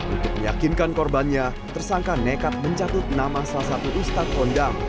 untuk meyakinkan korbannya tersangka nekat mencatut nama salah satu ustadz ondam